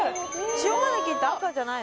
シオマネキって赤じゃないの？